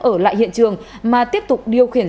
ở lại hiện trường mà tiếp tục điều khiển